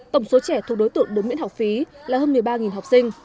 tổng số trẻ thuộc đối tượng được miễn học phí là hơn một mươi ba học sinh